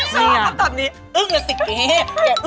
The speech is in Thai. ไม่ชอบกื่นตัดนี้